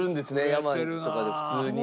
山とかで普通に。